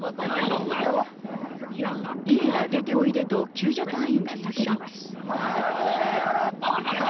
イエラ出ておいでと救助隊員が叫びます。